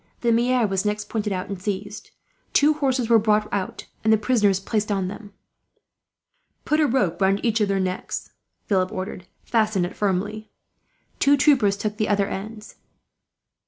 The maire was next pointed out, and seized. Two horses were brought out, and the prisoners placed on them. "Put a rope round each of their necks," Philip ordered. "Fasten it firmly." Two troopers took the other ends.